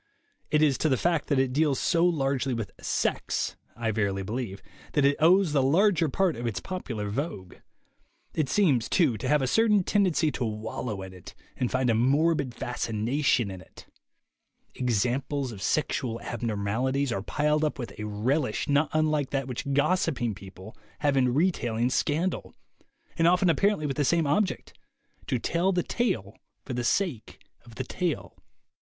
It is to the fact that it deals so largely with "sex," I verily believe, that it owes the larger part of its popular vogue. It seems, too, to have a certain tendency to wallow in it and find a morbid fascination in it. Examples of sexual abnormalities are piled up with a relish not unlike that which gossiping people have in re tailing scandal, and often apparently with the same object — to tell the tale for the sake of the tale.